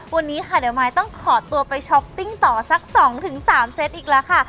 วันนี้ค่ะเดี๋ยวมายต้องขอตัวไปช้อปปิ้งต่อสัก๒๓เซตอีกแล้วค่ะ